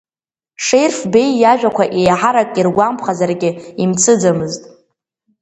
Шеирф Беи иажәақәа еиҳарак иргәамԥхазаргьы имцыӡамызт.